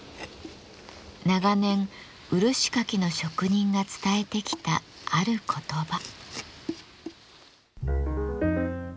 長年漆かきの職人が伝えてきたある言葉。